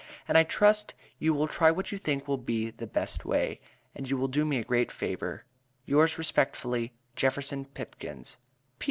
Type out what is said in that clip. And I trust you will try what you think will be the best way. And you will do me a great favour. Yours Respectfully, JEFFERSON PIPKINS.